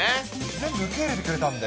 全部受け入れてくれたんで。